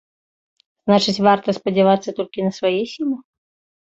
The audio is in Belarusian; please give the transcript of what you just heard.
Значыць, варта спадзявацца толькі на свае сілы.